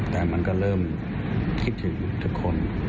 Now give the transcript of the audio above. แต่มันก็เริ่มคิดถึงทุกคน